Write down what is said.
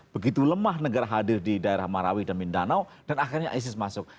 begitu lemah negara hadir di daerah marawi dan mindanao dan akhirnya isis masuk